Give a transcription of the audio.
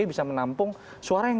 bisa menampung suara yang